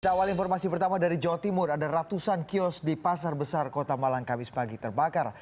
kita awal informasi pertama dari jawa timur ada ratusan kios di pasar besar kota malang kamis pagi terbakar